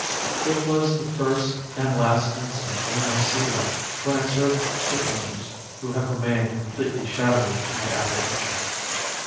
It was the first and last instance in my sea life when I served shipowners who have remained completely shadowy to my apprehension.